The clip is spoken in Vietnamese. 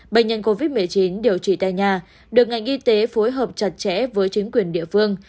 bệnh nhân covid một mươi chín điều trị tại nhà được ngành y tế phối hợp chặt chẽ với chính quyền địa phương